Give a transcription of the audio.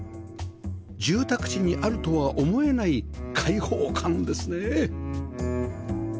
住宅地にあるとは思えない開放感ですね